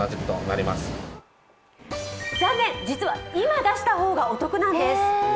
残念、実は今出した方がお得なんです。